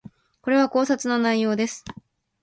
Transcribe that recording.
これは考察の内容です